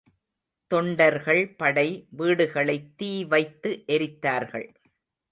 தொண்டர்கள் படை விடுகளைத் தீ வைத்து எரித்தார்கள்.